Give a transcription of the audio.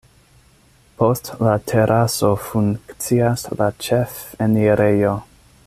Post la teraso funkcias la ĉefenirejo.